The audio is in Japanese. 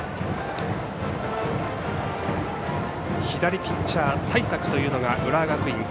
左ピッチャー対策というのが浦和学院